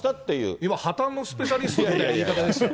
今破綻のスペシャリストみたいな言い方でしたよ。